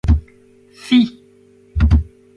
Fi !